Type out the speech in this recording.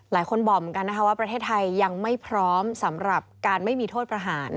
หลายคนบอกเหมือนกันนะคะว่าประเทศไทยยังไม่พร้อมสำหรับการไม่มีโทษประหาร